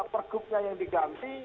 pergubnya yang diganti